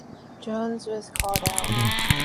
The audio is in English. Jones was called out.